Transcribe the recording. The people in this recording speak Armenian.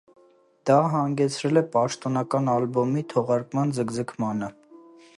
Դա հանգեցրել է պաշտոնական ալբոմի թողարկման ձգձգմանը։